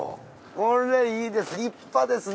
これいいですね。